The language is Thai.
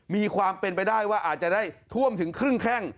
มีความเป็นไปได้ว่าอาจจะได้ท่วมถึงครึ่งแข้ง